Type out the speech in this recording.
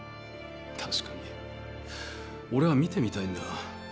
確かに俺は見てみたいんだ。